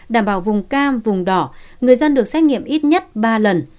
đảm bảo vùng cam vùng đỏ người dân được xét nghiệm ít nhất ba lần